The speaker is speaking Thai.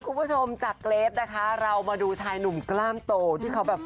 คุณผู้ชมจากเกรทนะคะเรามาดูชายหนุ่มกล้ามโตที่เขาแบบ